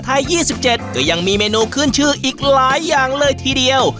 ไทยยี่สิบเจ็ดก็ยังมีเมนูคื่นชื่ออีกหลายอย่างเลยทีเดียว